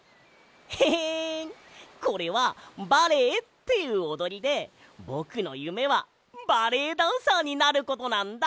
ヘヘンこれはバレエっていうおどりでぼくのゆめはバレエダンサーになることなんだ！